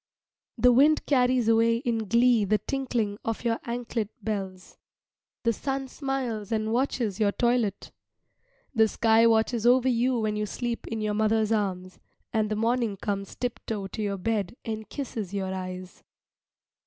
The wind carries away in glee the tinkling of your anklet bells. The sun smiles and watches your toilet. The sky watches over you when you sleep in your mother's arms, and the morning comes tiptoe to your bed and kisses your eyes.